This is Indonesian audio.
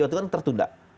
waktu itu kan tertunda